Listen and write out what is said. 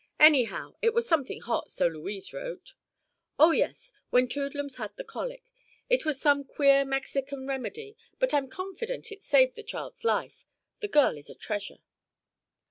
"Anyhow, it was something hot, so Louise wrote." "Oh, yes; when Toodlums had the colic. It was some queer Mexican remedy, but I'm confident it saved the child's life. The girl is a treasure."